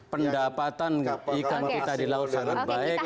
pendapatan ikan kita di laut sangat baik